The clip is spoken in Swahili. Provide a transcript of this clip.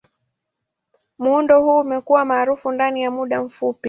Muundo huu umekuwa maarufu ndani ya muda mfupi.